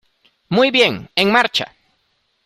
¡ Muy bien, en marcha!